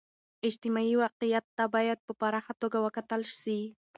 اجتماعي واقعیت ته باید په پراخه توګه و کتل سي.